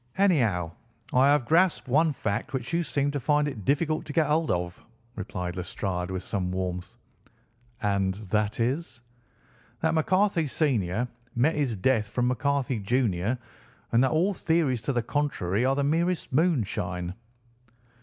"Anyhow, I have grasped one fact which you seem to find it difficult to get hold of," replied Lestrade with some warmth. "And that is—" "That McCarthy senior met his death from McCarthy junior and that all theories to the contrary are the merest moonshine."